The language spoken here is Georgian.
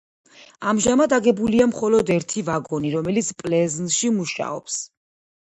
ამჟამად აგებულია მხოლოდ ერთი ვაგონი, რომელიც პლზენში მუშაობს.